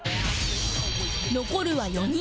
残るは４人